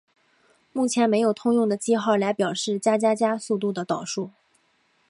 目前没有通用的记号来表示加加加速度的导数。